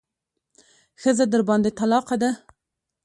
ښځه درباندې طلاقه ده.